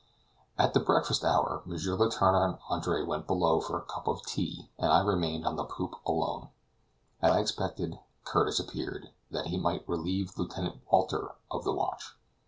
At the breakfast hour M. Letourneur and Andre went below for a cup of tea, and I remained on the poop alone. As I expected, Curtis appeared, that he might relieve Lieutenant Walter of the watch.